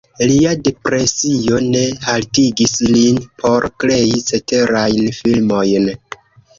Lia depresio ne haltigis lin por krei ceterajn filmojn.